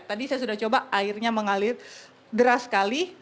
tadi saya sudah coba airnya mengalir deras sekali